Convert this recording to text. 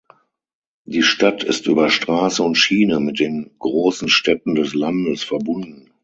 Die Stadt ist über Straße und Schiene mit den großen Städten des Landes verbunden.